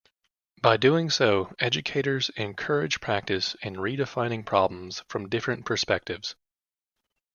By doing so, educators encourage practice in redefining problems from different perspectives.